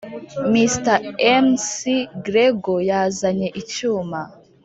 mr. mcgregor yazanye icyuma